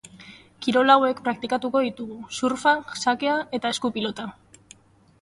Kirol hauek praktikatuko ditugu: surfa, xakea eta eskupilota.